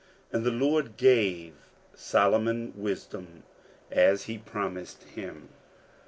"And the LoBD gave Solomon wisdom, as He promised him."